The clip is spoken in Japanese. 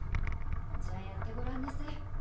じゃやってごらんなさい。